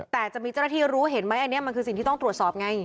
แต่จะมีเจ้าหน้าที่รู้เห็นไหมอันนี้มันคือสิ่งที่ต้องตรวจสอบไง